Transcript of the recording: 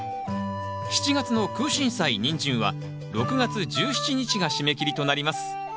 ７月のクウシンサイニンジンは６月１７日が締め切りとなります。